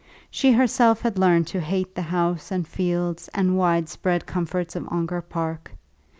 She herself had learned to hate the house and fields and widespread comforts of Ongar Park.